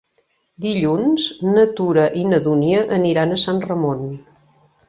Dilluns na Tura i na Dúnia aniran a Sant Ramon.